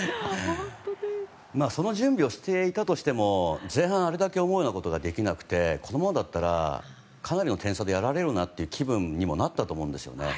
その準備をしていたとしても前半あれだけ思うようなことができなくてこのままだったらかなりの点差でやられるなという気分にもなったと思うんですよね。